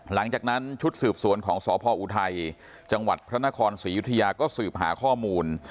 หลังจากนั้นชุดสืบสวนของสพออุทัยจังหวัดพระนครศรียุธยาก็สืบหาข้อมูล